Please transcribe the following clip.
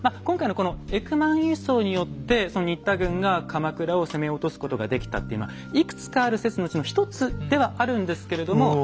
今回のこのエクマン輸送によって新田軍が鎌倉を攻め落とすことができたっていうのはいくつかある説のうちの一つではあるんですけれども。